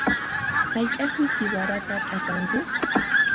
Hayk'aqmi siwarata t'akanku?